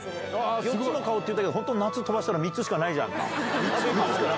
４つの顔って言ったけど、本当、夏飛ばしたら、３つしかないじゃんか。